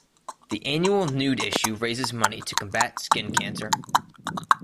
The annual Nude Issue raises money to combat skin cancer.